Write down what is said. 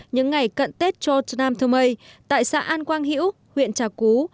những ngày cận tết cho tram tramay tại xã an quang hữu huyện trà cú